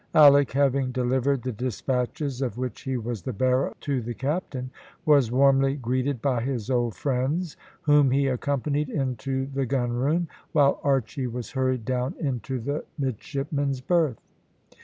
Alick having delivered the despatches of which he was the bearer to the captain, was warmly greeted by his old friends, whom he accompanied into the gunroom, while Archy was hurried down into the midshipmen's berth.